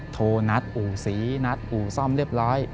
โทรนัดอู่ศรีนัดอู่ซ่อมเรียบร้อย